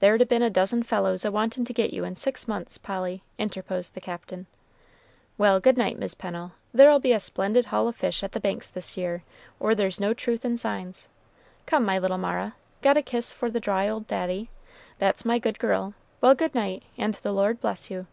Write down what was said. "There'd a been a dozen fellows a wanting to get you in six months, Polly," interposed the Captain. "Well, good night, Mis' Pennel; there'll be a splendid haul of fish at the Banks this year, or there's no truth in signs. Come, my little Mara, got a kiss for the dry old daddy? That's my good girl. Well, good night, and the Lord bless you."